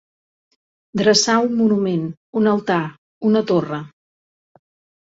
Dreçar un monument, un altar, una torre.